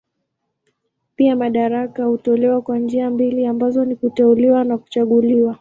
Pia madaraka hutolewa kwa njia mbili ambazo ni kuteuliwa na kuchaguliwa.